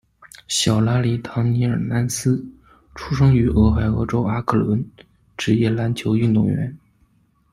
小拉里·唐尼尔·南斯，出生于俄亥俄州阿克伦，职业篮球运动员。